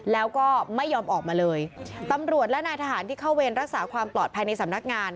แล้วก็ไม่ยอมออกมาเลยตำรวจและนายทหารที่เข้าเวรรักษาความปลอดภัยในสำนักงาน